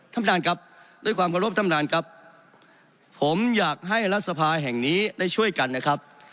ท่านประธานครับด้วยความขอรบท่านนานครับผมอยากให้รัฐสภาแห่งนี้ได้ช่วยกันนะครับ